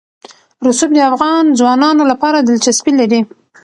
رسوب د افغان ځوانانو لپاره دلچسپي لري.